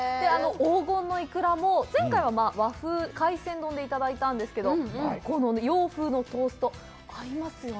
黄金のイクラも、前回は和風海鮮丼でいただいたんですけど、この洋風のトースト、合いますよね。